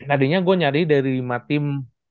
tadinya gue nyari dari lima tim